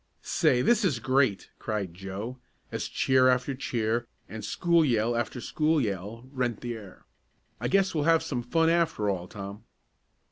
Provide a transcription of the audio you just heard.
"Say, this is great!" cried Joe, as cheer after cheer, and school yell after school yell, rent the air. "I guess we'll have some fun after all, Tom."